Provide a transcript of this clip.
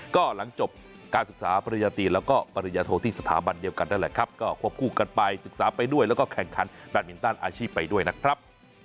ก็หลังจบการศึกษาปริญญาตีนแล้วก็ปริญญาโทที่สถาบันเดียวกันนั่นแหละครับก็ควบคู่กันไปศึกษาไปด้วยแล้วก็แข่งขันแบตมินตันอาชีพไปด้วยนะครับ